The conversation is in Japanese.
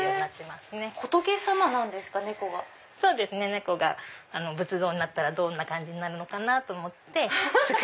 猫が仏像になったらどんな感じになるのかと思って。